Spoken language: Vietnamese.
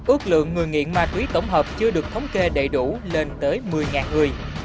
ước lượng người nghiện ma túy tổng hợp chưa được thống kê đầy đủ lên tới một mươi người